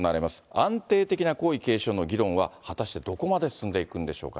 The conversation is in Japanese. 安定的な皇位継承の議論は果たしてどこまで進んでいくんでしょうか。